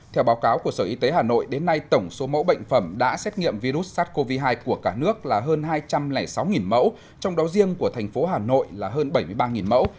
theo báo cáo của sở y tế hà nội đến nay tổng số mẫu bệnh phẩm đã xét nghiệm virus sars cov hai của cả nước là hơn hai trăm linh sáu mẫu trong đó riêng của thành phố hà nội là hơn bảy mươi ba mẫu